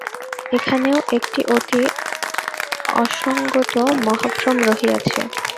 এখানেও একটি অতি অসঙ্গত মহাভ্রম রহিয়াছে।